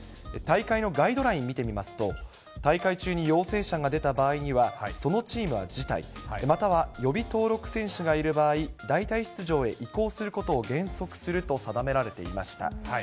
大会のガイドライン見てみますと、大会中に陽性者が出た場合には、そのチームは辞退、または、予備登録選手がいる場合、代替出場へ移行することを原則とすると定められていました。